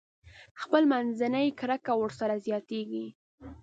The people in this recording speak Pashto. خپل منځي کرکه ورسره زياتېږي.